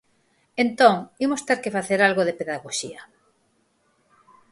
Entón, imos ter que facer algo de pedagoxía.